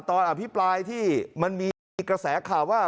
อภิปรายที่มันมีกระแสข่าวว่า